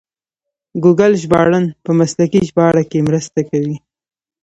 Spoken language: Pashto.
ګوګل ژباړن په مسلکي ژباړه کې مرسته کوي.